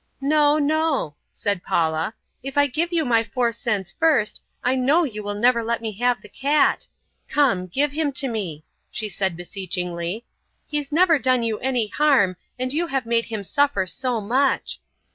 "No, no," said Paula, "if I give you my four cents first, I know you will never let me have the cat. Come, give him to me," she said beseechingly; "he's never done you any harm and you have made him suffer so much."